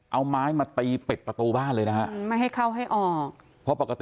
เอาไม้มาตีปิดประตูบ้านเลยนะครับ